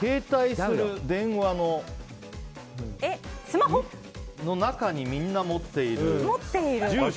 スマホ？の中にみんな持っている住所。